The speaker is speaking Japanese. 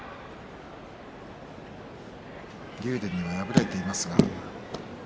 竜電には敗れています。